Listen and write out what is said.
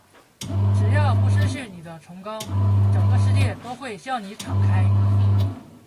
只要不失去你的崇高，整个世界都会向你敞开。